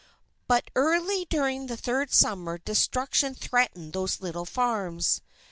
But early during the third Summer, destruction threatened those little farms.